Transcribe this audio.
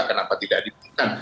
kenapa tidak diperhatikan